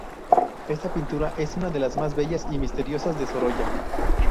Esta pintura es una de las más bellas y misteriosas de Sorolla.